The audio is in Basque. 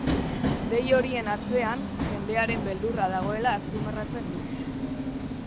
Dei horien atzean jendearen beldurra dagoela azpimarratzen du.